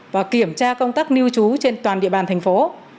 và kiểm tra công tác lưu trú trên toàn địa bàn thành phố